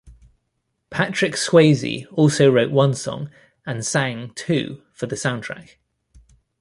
Patrick Swayze also wrote one song and sang two for the soundtrack.